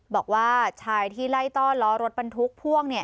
บอกว่าชายที่ไล่ต้อนล้อรถปันทุกพ่วงเนี่ย